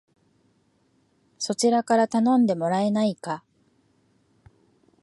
そちらから頼んでもらえないか